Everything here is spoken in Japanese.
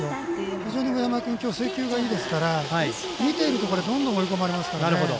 非常に上山君制球がいいですから見ていくとどんどん追い込まれますからね。